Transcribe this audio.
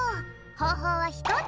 ほうほうはひとつ。